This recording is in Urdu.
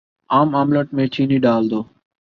عام آملیٹ میں چینی ڈال دو